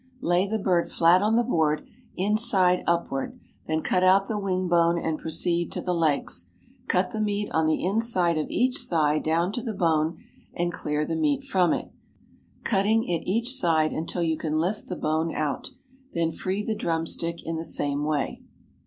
Lay the bird flat on the board, inside upward, then cut out the wing bone and proceed to the legs; cut the meat on the inside of each thigh down to the bone and clear the meat from it, cutting it each side until you can lift the bone out; then free the drumstick in the same way.